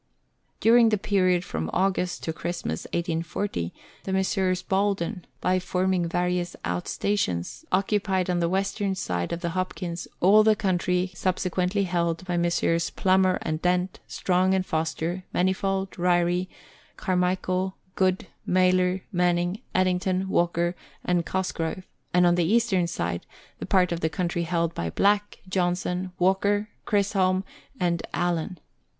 During the period from August to Christmas 1840, the Messrs. Bolden, by forming various out stations, occupied on the western side of the Hopkins all the country subsequently held by Messrs. Letters from Victorian Pioneers. 137 Plummer and Dent, Strong and Foster, Manifold, Ryrie, Car michael, Good, Mailor, Manning, Eddington, Walker, and Cos grove ; and on the eastern side, the part of the country held by Black, Johnson, Walker, Chisholm, and Allan.